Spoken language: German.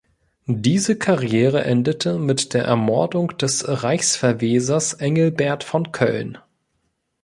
Diese Karriere endete mit der Ermordung des Reichsverwesers Engelbert von Köln.